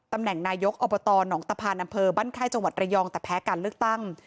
ตำแหน่งนายกอบตหนองตะพานอำเภอบ้านไข้จังหวัดระยองแต่แพ้การเลือกตั้ง